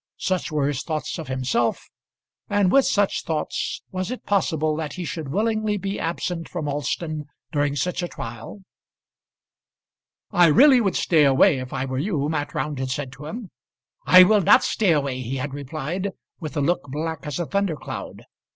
Such were his thoughts of himself; and with such thoughts was it possible that he should willingly be absent from Alston during such a trial? "I really would stay away if I were you," Mat Round had said to him. "I will not stay away," he had replied, with a look black as a thundercloud.